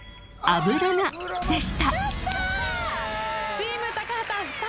チーム高畑２人。